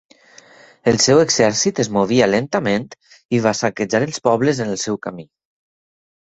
El seu exèrcit es movia lentament i va saquejar els pobles en el seu camí.